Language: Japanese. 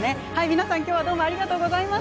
皆さん、きょうはどうもありがとうございます。